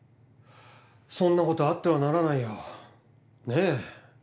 そんなことあってはならないよ。ねぇ。